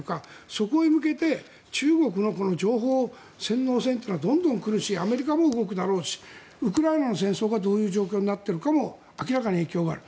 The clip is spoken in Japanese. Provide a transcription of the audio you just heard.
そこへ向けて中国の情報洗脳戦というのはどんどん来るしアメリカも動くだろうしウクライナの戦争がどういう状況になっているかも明らかに影響がある。